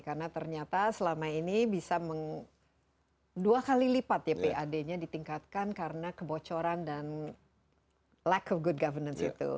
karena ternyata selama ini bisa dua kali lipat ya pad nya ditingkatkan karena kebocoran dan lack of good governance itu